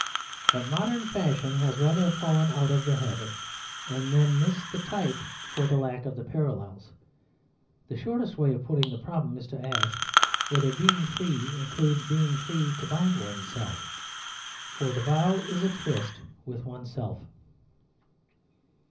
But modern fashion has rather fallen out of the habit ; and men miss the type for the lack of the parallels. The shortest way of putting the problem is to ask whether being free includes being free to bind oneself. For the vow is a tryst with oneself.